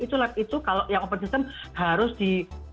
itu lab itu kalau yang operasif harus di